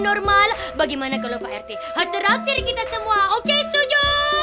normal bagaimana kalau pak rt hampir kita semua oke setuju